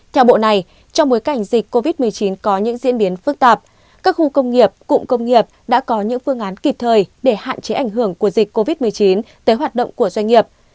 theo bộ này trong bối cảnh dịch covid một mươi chín có những diễn biến phức tạp các khu công nghiệp cụm công nghiệp đã có những phương án kịp thời để hạn chế ảnh hưởng của dịch covid một mươi chín tới hoạt động của doanh nghiệp